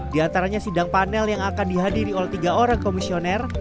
di antaranya sidang panel yang akan dihadiri oleh tiga orang komisioner